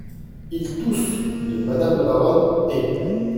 Il tousse. de madame la baronne est…